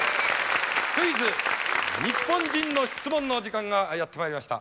「クイズ日本人の質問」の時間がやってまいりました。